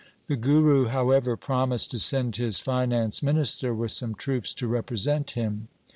The Guru, however, promised to send his finance minister with some troops to represent him.